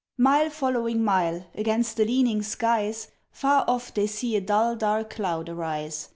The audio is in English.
Mile following mile, against the leaning skies Far off they see a dull dark cloud arise.